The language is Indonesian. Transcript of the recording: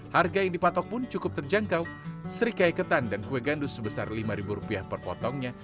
harga yang dipatok pun cukup terjangkau serikaya ketan dan kue gandus sebesar lima rupiah per potongnya